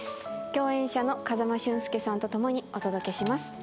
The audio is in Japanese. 共演者の風間俊介さんと共にお届けします